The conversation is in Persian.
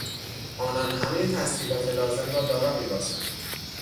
آنان همهی تسهیلات لازم را دارا میباشند.